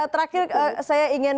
terakhir saya ingin